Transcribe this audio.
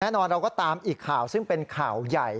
เราก็ตามอีกข่าวซึ่งเป็นข่าวใหญ่